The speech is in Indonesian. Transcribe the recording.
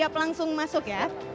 siap langsung masuk ya